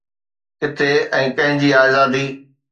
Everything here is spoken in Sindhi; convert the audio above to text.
ڪٿي ۽ ڪنهن جي آزادي؟